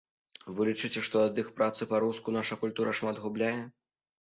Вы лічыце, што ад іх працы па-руску наша культура шмат губляе?